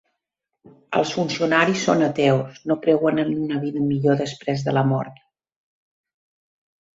Els funcionaris són ateus: no creuen en una vida millor després de la mort.